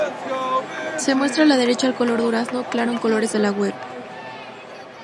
Se muestra a la derecha el color durazno claro en colores de la web.